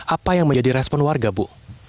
apa yang menjadi respon warga bu